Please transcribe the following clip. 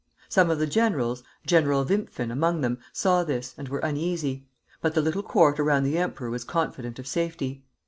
Some of the generals, General Wimpfen among them saw this, and were uneasy; but the little court around the emperor was confident of safety.